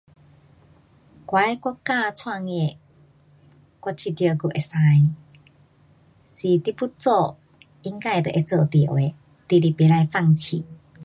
我的国家创业，我觉得还可以。是你要做，应该就会做到的，你是不可放弃。